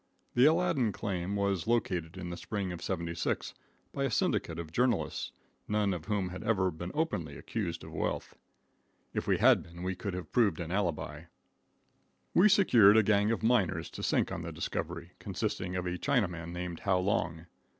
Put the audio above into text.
The Aladdin claim was located in the spring of '76 by a syndicate of journalists, none of whom had ever been openly accused of wealth. If we had been, we could have proved an alibi. We secured a gang of miners to sink on the discovery, consisting of a Chinaman named How Long.